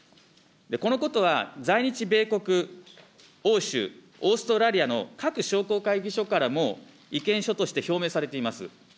このことは、在日米国、欧州、オーストラリアの各商工会議所からも意見書として表明されています。